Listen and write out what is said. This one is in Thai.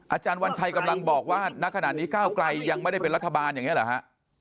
อาจารย์วัญชัยกำลังบอกว่าณขณะนี้ก้าวไกลยังไม่ได้เป็นรัฐบาลอย่างนี้เหรอฮะ